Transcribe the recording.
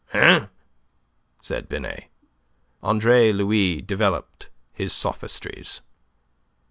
"Eh?" said Binet. Andre Louis developed his sophistries.